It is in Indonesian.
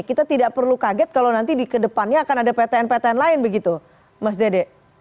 kita tidak perlu kaget kalau nanti di kedepannya akan ada ptn ptn lain begitu mas dede